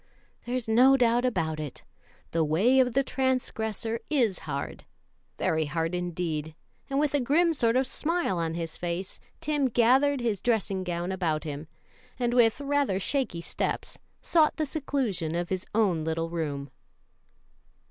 There's no doubt about it, 'the way of the transgressor is hard' very hard indeed and with a grim sort of smile on his face, Ted gathered his dressing gown about him, and with rather shaky steps sought the seclusion of his own little room.